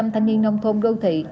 bảy mươi thanh niên nông thôn đô thị